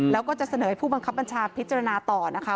แล้วก็จะเสนอให้ผู้บังคับบัญชาพิจารณาต่อนะคะ